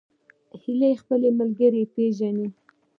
هیلۍ خپل ملګري پیژني